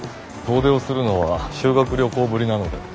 遠出をするのは修学旅行ぶりなので。